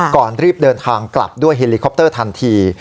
ก่อนรีบเดินทางกลับด้วยเฮลิคอปเตอร์ทันที